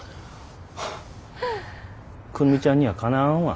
久留美ちゃんにはかなわんわ。